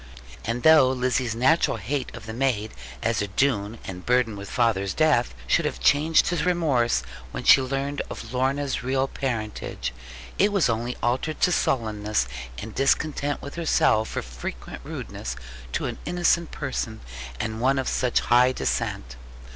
And though Lizzie's natural hate of the maid (as a Doone and burdened with father's death) should have been changed to remorse when she learned of Lorna's real parentage, it was only altered to sullenness, and discontent with herself, for frequent rudeness to an innocent person, and one of such high descent.